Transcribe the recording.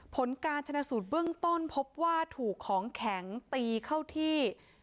ผลการชนะสูตรเบื้องต้นพบว่าถูกของแข็งตีเข้าที่